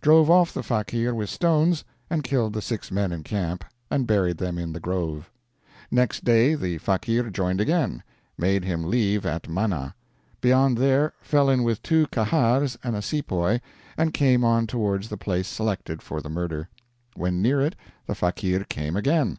Drove off the fakeer with stones, and killed the 6 men in camp, and buried them in the grove. "Next day the fakeer joined again; made him leave at Mana. Beyond there, fell in with two Kahars and a sepoy, and came on towards the place selected for the murder. When near it, the fakeer came again.